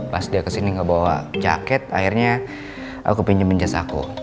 pas dia kesini gak bawa jaket akhirnya aku pinjamin jas aku